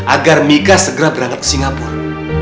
agar mika segera berada ke singapura